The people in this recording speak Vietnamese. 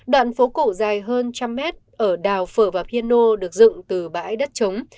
đoạn phố cổ dài hơn một trăm linh mét ở đào phở và piano được dựng từ bãi đất trống